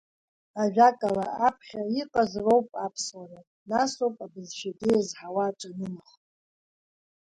Ажәакала, аԥхьа иҟаза-роуп аԥсуара, насоуп абызшәагьы еизҳауа аҿанынахо.